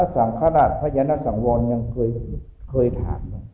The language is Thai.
อสังภารณ์ทธิ์พระยันทธิ์รัฐสังวอนยังเคยถาม